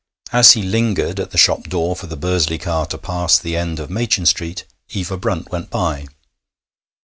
As he lingered at the shop door for the Bursley car to pass the end of Machin Street, Eva Brunt went by.